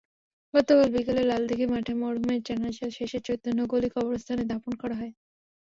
গতকাল বিকেলে লালদীঘি মাঠে মরহুমের জানাজা শেষে চৈতন্যগলি কবরস্থানে দাফন করা হয়।